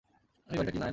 এই বাড়িটা কি নায়নার?